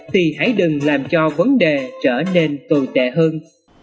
thì hãy đừng làm cho vấn đề trở nên tồi tệ hơn